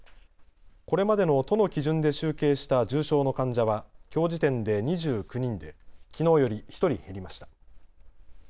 これまでの都の基準で集計した重症の患者はきょう時点で２９人できのうより１人減りました。